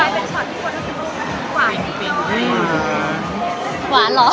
แต่กลายเป็นช็อตที่คนท่านคิดว่าหวานหรือเปล่า